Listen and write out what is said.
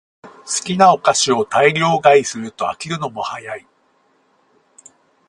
好きなお菓子を大量買いすると飽きるのも早い